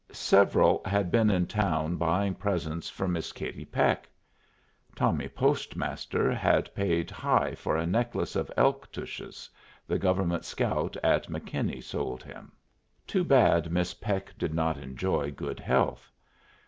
Several had been in town buying presents for Miss Katie Peck. Tommy Postmaster had paid high for a necklace of elk tushes the government scout at McKinney sold him. Too bad Miss Peck did not enjoy good health.